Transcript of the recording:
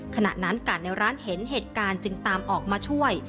ขณะนั้นกาดในร้านเห็นเหตุการณ์จึงตามออกมาช่วย